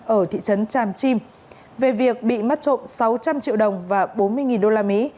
ở thị trấn tràm chim về việc bị mất trộm sáu trăm linh triệu đồng và bốn mươi đô la mỹ